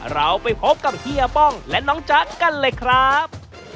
เราไปพบกับเฮียป้องและน้องจ๊ะกันเลยครับ